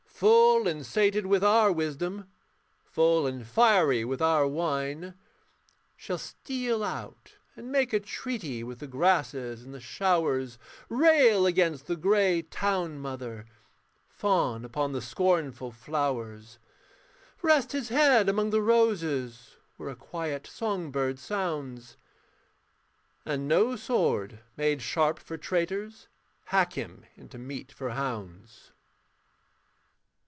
Full and sated with our wisdom, Full and fiery with our wine, Shall steal out and make a treaty With the grasses and the showers, Rail against the grey town mother, Fawn upon the scornful flowers; Rest his head among the roses, Where a quiet song bird sounds, And no sword made sharp for traitors, Hack him into meat for hounds.